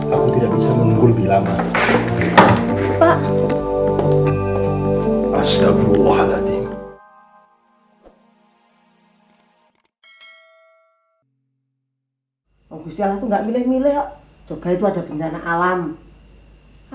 aku tidak bisa menunggu lebih lama